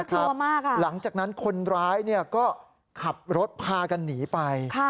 น่ากลัวมากอ่ะหลังจากนั้นคนร้ายเนี่ยก็ขับรถพากันหนีไปค่ะ